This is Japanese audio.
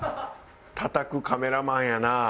たたくカメラマンやな。